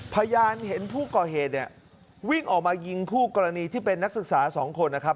พยานเห็นผู้ก่อเหตุเนี่ยวิ่งออกมายิงคู่กรณีที่เป็นนักศึกษา๒คนนะครับ